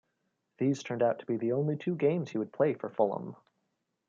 These turned out to be the only two games he would play for Fulham.